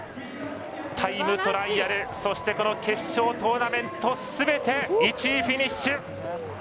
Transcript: タイムトライアルそして決勝トーナメントすべて１位フィニッシュ。